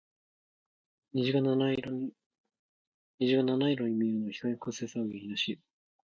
虹が七色に見えるのは、光の屈折が原因らしいよ。